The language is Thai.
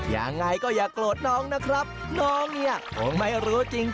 ยังไงก็อย่าโกรธน้องนะครับน้องเนี่ยคงไม่รู้จริง